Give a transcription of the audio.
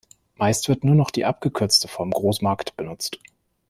Meist wird nur noch die abgekürzte Form "Großmarkt" benutzt.